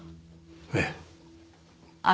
ええ。